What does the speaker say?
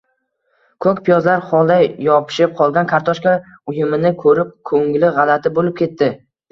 koʼk piyozlar xolday yopishib qolgan kartoshka uyumini koʼrib, koʼngli gʼalati boʼlib ketdi.